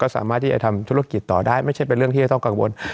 สามารถที่จะทำธุรกิจต่อได้ไม่ใช่เป็นเรื่องที่จะต้องกังวล